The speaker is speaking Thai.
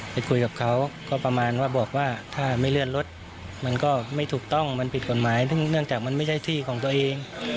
ไปคุยกับเขาก็ประมาณว่าบอกว่าถ้าไม่เลื่อนรถมันก็ไม่ถูกต้องมันผิดกฎหมายเนื่องจากมันไม่ใช่ที่ของตัวเอง